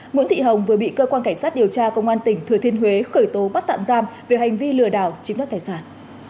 nguyễn thị hồng vừa bị cơ quan cảnh sát điều tra công an tỉnh thừa thiên huế khởi tố bắt tạm giam về hành vi lừa đảo chiếm đất tài sản